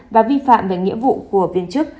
và vi phạm về nghĩa vụ của viên chức